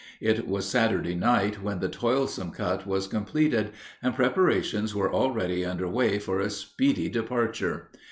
It was Saturday night when the toilsome cut was completed, and preparations were already under way for a speedy departure.